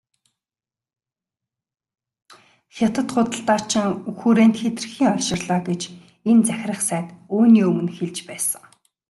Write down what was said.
Хятад худалдаачин хүрээнд хэтэрхий олширлоо гэж энэ захирах сайд үүний өмнө хэлж байсан.